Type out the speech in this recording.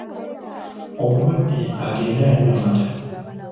Omulwadde agende anywe amata.